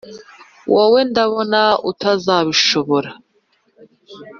wowe ndabona utazabishobora,